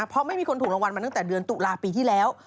เพราะไม่มีคนถูกรางวัลมาตั้งแต่เดือนตุลาปีที่แล้ว